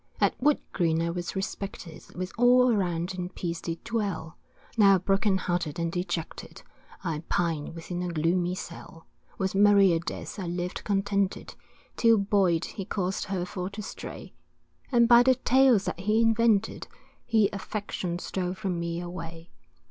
At Wood Green I was respected, With all around in peace did dwell, Now broken hearted and dejected, I pine within a gloomy cell. With Maria Death I lived contented, 'Till Boyd he caused her for to stray, And by the tales that he invented, He affection stole from me away.